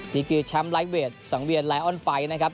นี่คือแชมป์ไลคเวทสังเวียนไลออนไฟนะครับ